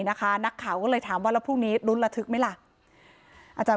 นักข่าวก็เลยถามว่าแล้วพรุ่งนี้ลุ้นระทึกไหมล่ะอาจารย์